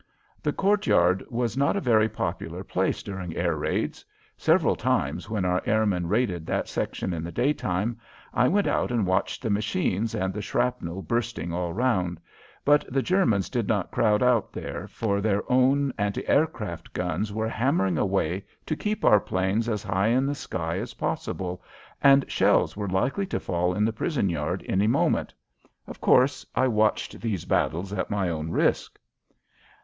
The courtyard was not a very popular place during air raids. Several times when our airmen raided that section in the daytime I went out and watched the machines and the shrapnel bursting all around; but the Germans did not crowd out there, for their own anti aircraft guns were hammering away to keep our planes as high in the sky as possible, and shells were likely to fall in the prison yard any moment. Of course, I watched these battles at my own risk.